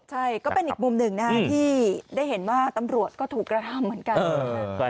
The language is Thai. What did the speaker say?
ใช่ก็เป็นอีกมุมหนึ่งนะฮะที่ได้เห็นว่าตำรวจก็ถูกกระทำเหมือนกัน